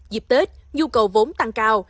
dịp tết nhu cầu vốn tăng cao